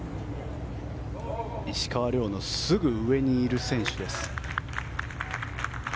石川遼のすぐ上にいる選手です。